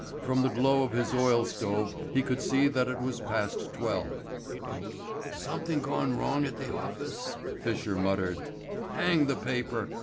From the glow of his oil stove he could see that it was past twelve. "Something gone wrong at the office?" Fisher muttered. "Hang the paper!